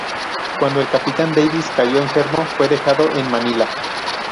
Cuando el Capitán Davis cayó enfermo, fue dejado en Manila.